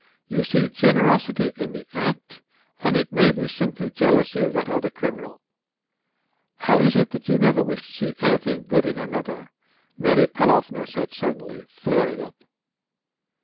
You see generosity in the act, and it may be simply jealousy of that other criminal." "How is it that you never wish to see anything good in another?" Mary Pavlovna said suddenly, flaring up.